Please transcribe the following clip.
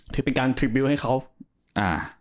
จะเป็นการทริปบริการ